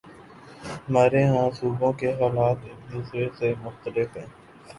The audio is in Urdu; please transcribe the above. ہمارے ہاں صوبوں کے حالات ایک دوسرے سے مختلف ہیں۔